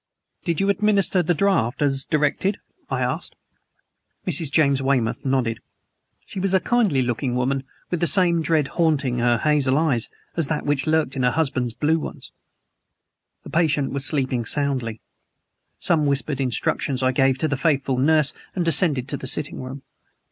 "Did you administer the draught, as directed?" I asked. Mrs. James Weymouth nodded. She was a kindly looking woman, with the same dread haunting her hazel eyes as that which lurked in her husband's blue ones. The patient was sleeping soundly. Some whispered instructions I gave to the faithful nurse and descended to the sitting room.